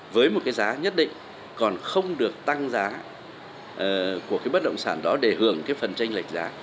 với một cái giá nhất định còn không được tăng giá của cái bất động sản đó để hưởng cái phần tranh lệch giá